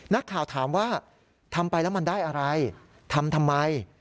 นักข่าวถามว่าทำไปแล้วมันได้อะไรทำทำไม